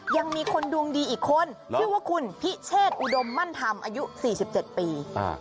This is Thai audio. ยังมีคนดวงดีอีกคนชื่อว่าคุณพิเชษอุดมมั่นธรรมอายุ๔๗ปี